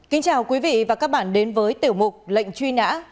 kính chào quý vị và các bạn đến với tiểu mục lệnh truy nã